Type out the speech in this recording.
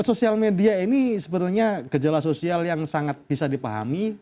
sosial media ini sebenarnya gejala sosial yang sangat bisa dipahami